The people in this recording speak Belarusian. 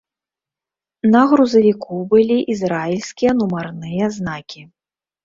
На грузавіку былі ізраільскія нумарныя знакі.